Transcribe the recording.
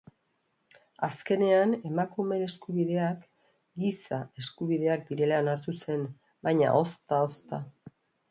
Azkenean emakumeen eskubideak giza eskubideak direla onartu zen, baina ozta-ozta.